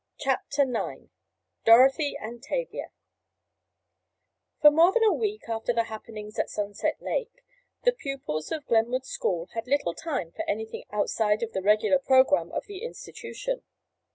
CHAPTER IX DOROTHY AND TAVIA For more than a week after the happenings at Sunset Lake the pupils of Glenwood School had little time for anything outside of the regular program of the institution.